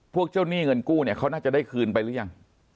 พวกเจ้าหนี้เงินกู้เนี่ยเขาน่าจะได้คืนไปหรือยัง